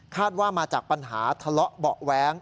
ว่ามาจากปัญหาทะเลาะเบาะแว้ง